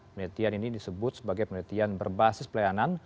penelitian ini disebut sebagai penelitian berbasis pelayanan